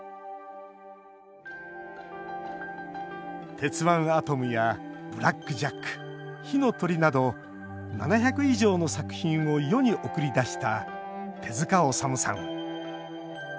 「鉄腕アトム」や「ブラック・ジャック」「火の鳥」など７００以上の作品を世に送り出した手塚治虫さん。